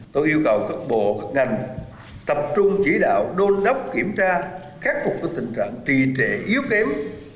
tôi yêu cầu các bộ các ngành tập trung chỉ đạo đôn đốc kiểm tra các tình trạng trì trệ yếu kém